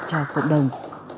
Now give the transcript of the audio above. cho cộng đồng